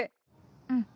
うん。